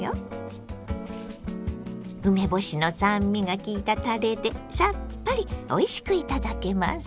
梅干しの酸味がきいたたれでさっぱりおいしくいただけます。